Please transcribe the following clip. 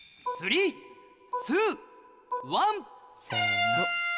せの。